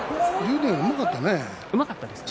電はうまかったね。